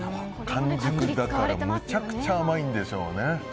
完熟だからめちゃくちゃ甘いんでしょうね。